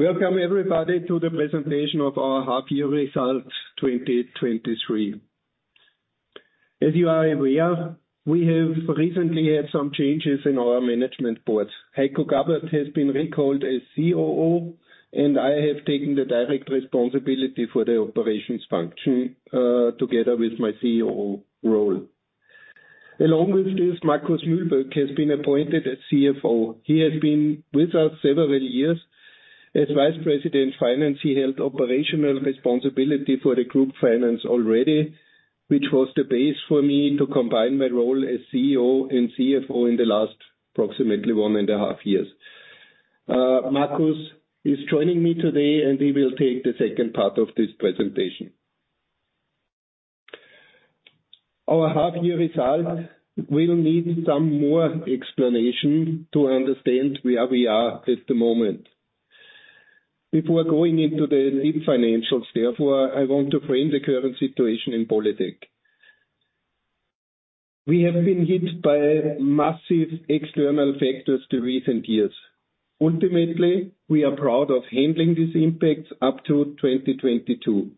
Welcome, everybody, to the presentation of our half year results, 2023. As you are aware, we have recently had some changes in our management board. Heiko Gabbert has been recalled as COO, and I have taken the direct responsibility for the operations function, together with my COO role. Along with this, Markus Mühlböck has been appointed as CFO. He has been with us several years as Vice President, Finance. He held operational responsibility for the group finance already, which was the base for me to combine my role as CEO and CFO in the last approximately one and a half years. Markus is joining me today, and he will take the second part of this presentation. Our half year results will need some more explanation to understand where we are at the moment. Before going into the deep financials, I want to frame the current situation in Polytec. We have been hit by massive external factors the recent years. Ultimately, we are proud of handling these impacts up to 2022.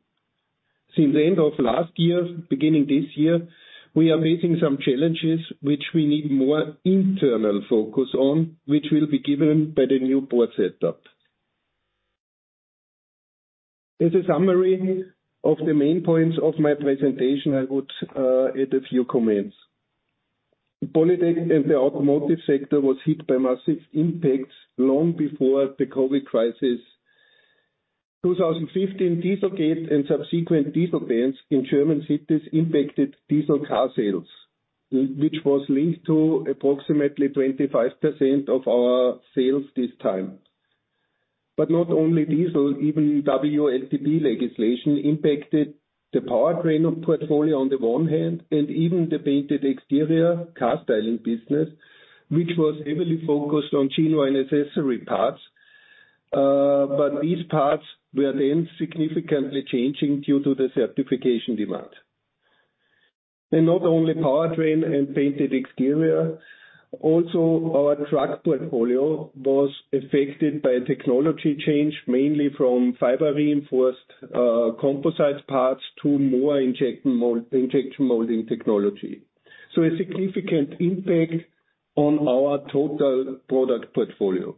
Since the end of last year, beginning this year, we are facing some challenges which we need more internal focus on, which will be given by the new board setup. As a summary of the main points of my presentation, I would add a few comments. Polytec in the automotive sector was hit by massive impacts long before the COVID crisis. 2015, Dieselgate and subsequent diesel bans in German cities impacted diesel car sales, which was linked to approximately 25% of our sales this time. Not only diesel, even WLTP legislation impacted the powertrain of portfolio on the one hand, and even the painted exterior car styling business, which was heavily focused on genuine accessory parts. These parts were then significantly changing due to the certification demand. Not only powertrain and painted exterior, also our truck portfolio was affected by a technology change, mainly from fiber-reinforced composite parts to more injection molding technology. A significant impact on our total product portfolio.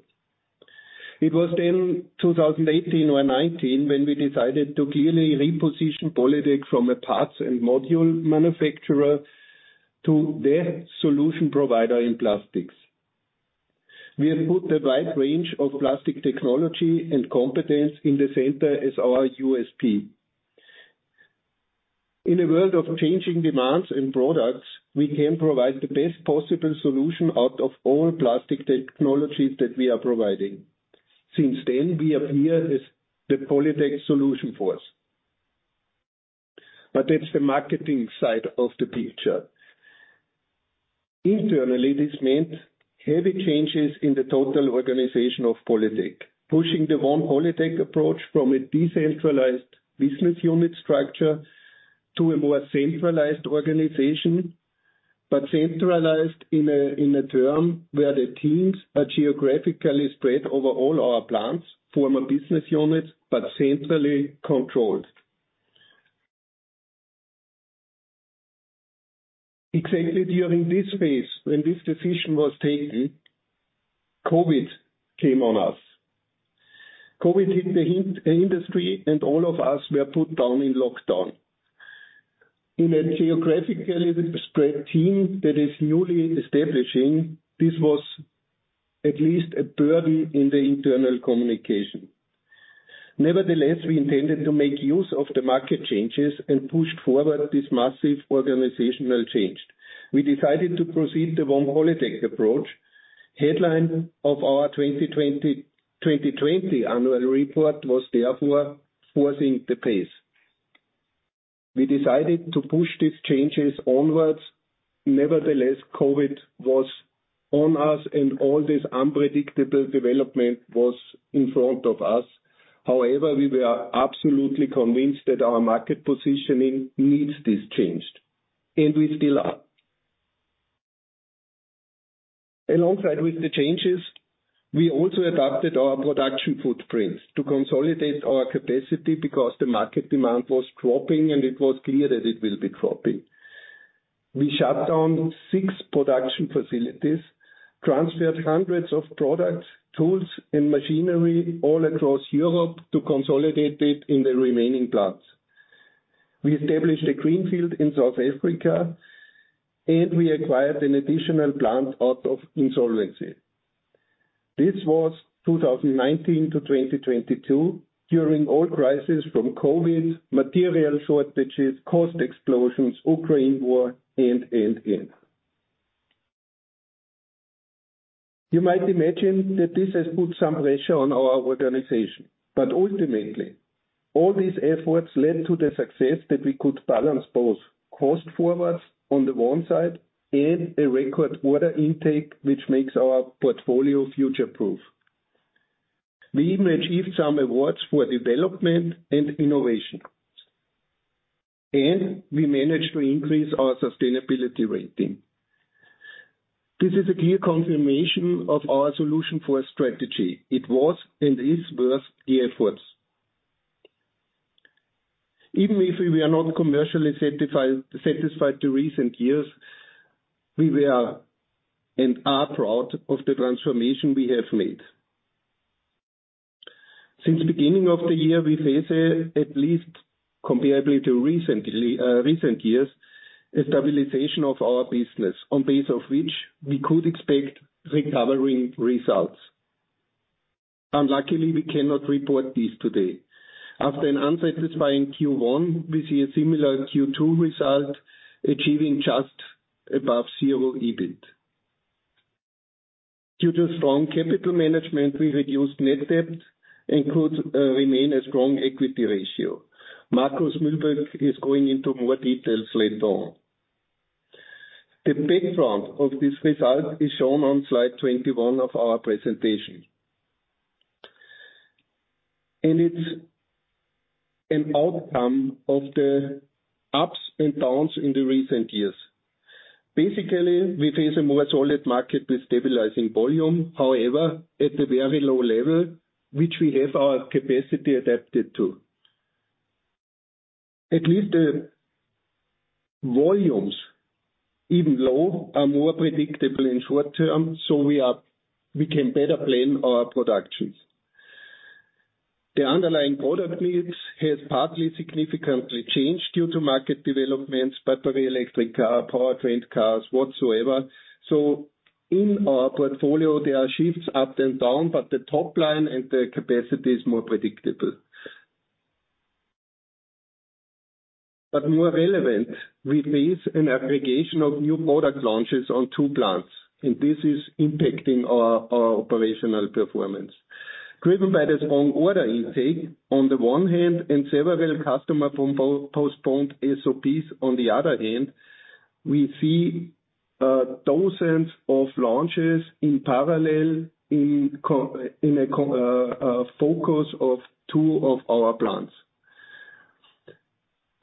It was then 2018 or 2019 when we decided to clearly reposition Polytec from a parts and module manufacturer to the solution provider in plastics. We have put the right range of plastic technology and competence in the center as our USP. In a world of changing demands and products, we can provide the best possible solution out of all plastic technologies that we are providing. Since then, we appear as the Polytec Solution Force. That's the marketing side of the picture. Internally, this meant heavy changes in the total organization of Polytec, pushing the One Polytec approach from a decentralized business unit structure to a more centralized organization, but centralized in a, in a term where the teams are geographically spread over all our plants, former business units, but centrally controlled. Exactly during this phase, when this decision was taken, COVID came on us. COVID hit the industry, and all of us were put down in lockdown. In a geographically spread team that is newly establishing, this was at least a burden in the internal communication. Nevertheless, we intended to make use of the market changes and pushed forward this massive organizational change. We decided to proceed the One Polytec approach. Headline of our 2020, 2020 annual report was therefore, Forcing the Pace. We decided to push these changes onwards. Nevertheless, COVID was on us, and all this unpredictable development was in front of us. However, we were absolutely convinced that our market positioning needs this change, and we still are. Alongside with the changes, we also adapted our production footprints to consolidate our capacity because the market demand was dropping, and it was clear that it will be dropping. We shut down 6 production facilities, transferred hundreds of products, tools, and machinery all across Europe to consolidate it in the remaining plants. We established a greenfield in South Africa, and we acquired an additional plant out of insolvency. This was 2019 to 2022, during all crises from COVID, material shortages, cost explosions, Ukraine war, and, and, and. You might imagine that this has put some pressure on our organization, but ultimately, all these efforts led to the success that we could balance both cost forwards on the one side and a record order intake, which makes our portfolio future-proof. We even achieved some awards for development and innovation. We managed to increase our sustainability rating. This is a clear confirmation of our solution for strategy. It was, and is worth the efforts. Even if we are not commercially satisfied the recent years, we were and are proud of the transformation we have made. Since beginning of the year, we face, at least comparably to recently, recent years, a stabilization of our business on base of which we could expect recovering results. Unluckily, we cannot report these today. After an unsatisfying Q1, we see a similar Q2 result, achieving just above zero EBIT. Due to strong capital management, we reduced net debt and could remain a strong equity ratio. Markus Mühlböck is going into more details later on. The background of this result is shown on slide 21 of our presentation. It's an outcome of the ups and downs in the recent years. Basically, we face a more solid market with stabilizing volume, however, at a very low level, which we have our capacity adapted to. At least volumes, even low, are more predictable in short term, so we are-- we can better plan our productions. The underlying product needs has partly significantly changed due to market developments, battery, electric car, powertrain cars, whatsoever. In our portfolio, there are shifts up and down, but the top line and the capacity is more predictable. More relevant, we face an aggregation of new product launches on two plants, and this is impacting our operational performance. Driven by the strong order intake on the one hand, and several customer postponed SOPs on the other hand, we see dozens of launches in parallel in a focus of two of our plants.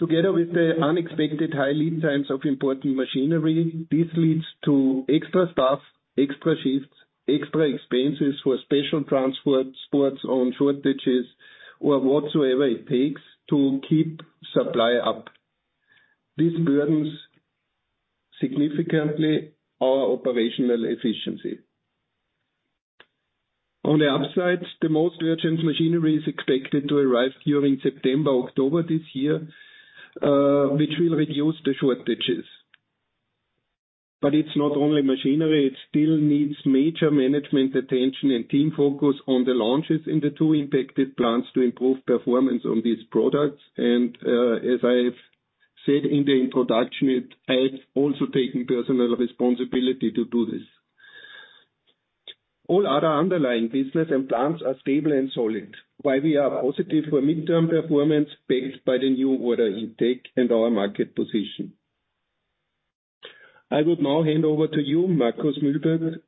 Together with the unexpected high lead times of importing machinery, this leads to extra staff, extra shifts, extra expenses for special transport, sports on shortages or whatsoever it takes to keep supply up. This burdens significantly our operational efficiency. On the upside, the most urgent machinery is expected to arrive during September, October this year, which will reduce the shortages. It's not only machinery, it still needs major management attention and team focus on the launches in the two impacted plants to improve performance on these products. As I have said in the introduction, I have also taken personal responsibility to do this. All other underlying business and plants are stable and solid, while we are positive for midterm performance, backed by the new order intake and our market position. I would now hand over to you, Markus Mühlböck,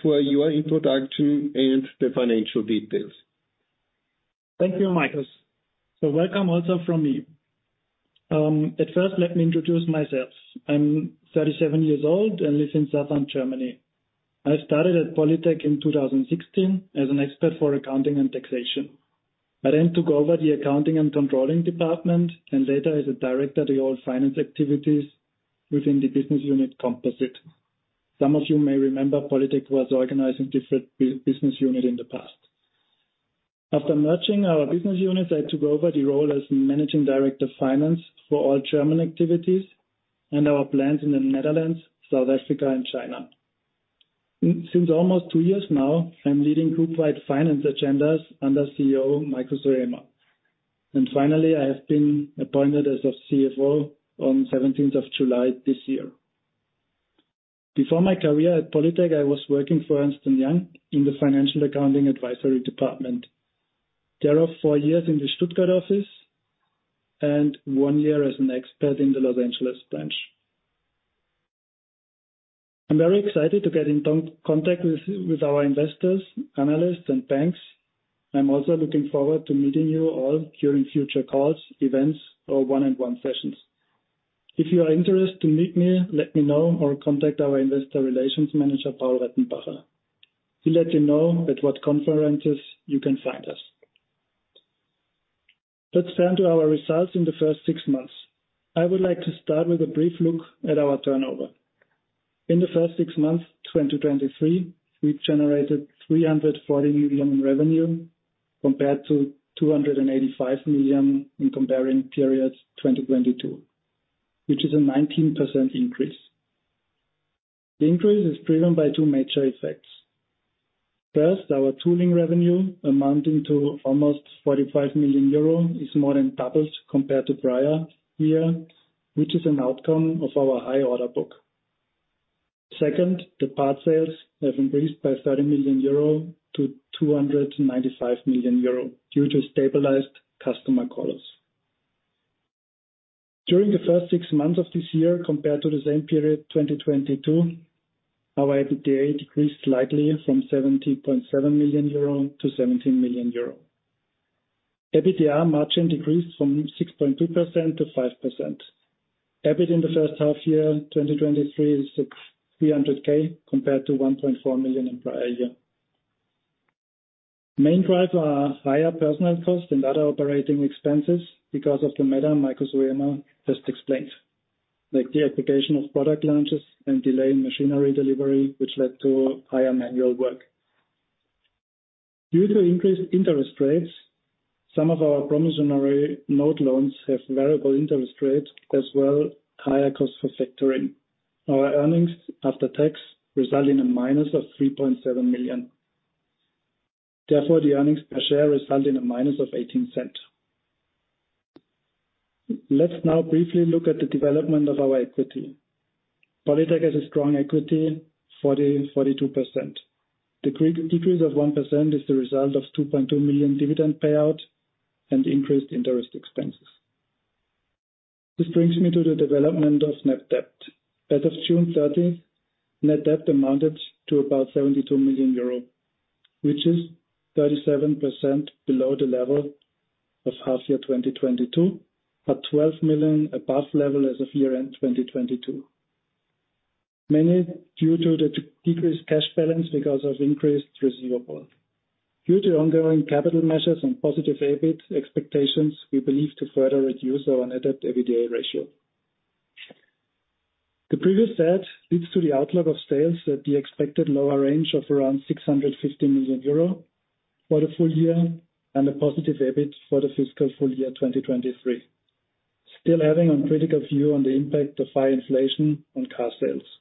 for your introduction and the financial details. Thank you, Michael. Welcome also from me. At first, let me introduce myself. I'm 37 years old and live in southern Germany. I started at Polytec in 2016 as an expert for accounting and taxation. I then took over the accounting and controlling department, and later, as a director, the all finance activities within the business unit composite. Some of you may remember, Polytec was organizing different business unit in the past. After merging our business units, I took over the role as Managing Director of Finance for all German activities and our plants in the Netherlands, South Africa, and China. Since almost 2 years now, I'm leading group-wide finance agendas under CEO, Michael Suyama. Finally, I have been appointed as a CFO on 17th of July this year. Before my career at Polytec, I was working for Ernst & Young in the financial accounting advisory department, thereof, four years in the Stuttgart office and one year as an expert in the Los Angeles branch. I'm very excited to get in contact with our investors, analysts, and banks. I'm also looking forward to meeting you all during future calls, events, or one-on-one sessions. If you are interested to meet me, let me know or contact our Investor Relations Manager, Paul Rettenbacher. He'll let you know at what conferences you can find us. Let's turn to our results in the first six months. I would like to start with a brief look at our turnover. In the first six months, 2023, we generated 340 million in revenue, compared to 285 million in comparing periods 2022, which is a 19% increase. The increase is driven by two major effects. First, our tooling revenue, amounting to almost 45 million euro, is more than doubled compared to prior year, which is an outcome of our high order book. Second, the part sales have increased by 30 million-295 million euro due to stabilized customer calls. During the first six months of this year, compared to the same period, 2022. Our EBITDA decreased slightly from 17.7 million-17 million euro. EBITDA margin decreased from 6.2%-5%. EBIT in the first half year, 2023, is 300K, compared to 1.4 million in prior year. Main driver are higher personnel costs and other operating expenses because of the matter Michael Suyama just explained, like the application of product launches and delay in machinery delivery, which led to higher manual work. Due to increased interest rates, some of our promissory note loans have variable interest rates, as well higher cost for factoring. Our earnings after tax result in a minus of 3.7 million. The earnings per share result in a minus of 0.18. Let's now briefly look at the development of our equity. Polytec has a strong equity, 40%, 42%. The decrease of 1% is the result of 2.2 million dividend payout and increased interest expenses. This brings me to the development of net debt. As of June 30th, net debt amounted to about 72 million euro, which is 37% below the level of half year 2022. 12 million above level as of year-end 2022. Mainly due to the decreased cash balance because of increased receivables. Due to ongoing capital measures and positive EBIT expectations, we believe to further reduce our net debt EBITDA ratio. The previous set leads to the outlook of sales at the expected lower range of around 650 million euro for the full year, and a positive EBIT for the fiscal full year 2023. Still having a critical view on the impact of high inflation on car sales.